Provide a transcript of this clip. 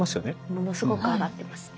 ものすごく上がってますね。